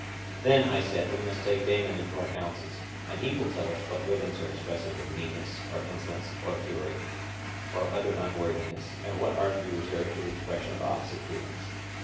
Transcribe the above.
Then, I said, we must take Damon into our counsels; and he will tell us what rhythms are expressive of meanness, or insolence, or fury, or other unworthiness, and what are to be reserved for the expression of opposite feelings.